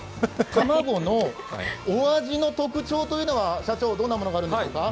卵のお味の特徴というのはどんなものがあるんですか？